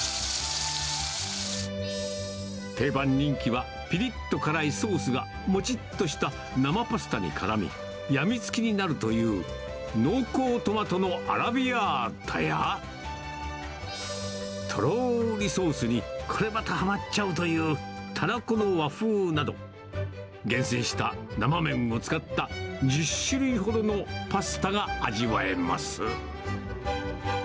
定番人気は、ぴりっと辛いソースがもちっとした生パスタにからみ、病みつきになるという、濃厚トマトのアラビアータや、とろーりソースに、これまたはまっちゃうという、タラコの和風など、厳選した生麺を使った１０種類ほどのパスタが味わえます。